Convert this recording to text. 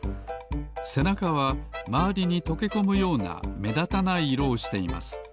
せなかはまわりにとけこむようなめだたない色をしています。